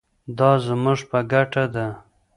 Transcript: دا زموږ په ګټه ده.